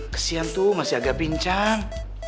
kesian tuh masih agak bincang